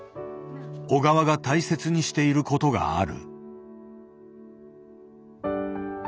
小川が大切にしていることがある。